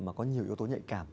mà có nhiều yếu tố nhạy cảm